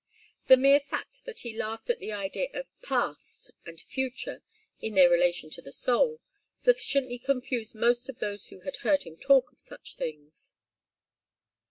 The mere fact that he laughed at the idea of 'past' and 'future' in their relation to the soul, sufficiently confused most of those who had heard him talk of such things.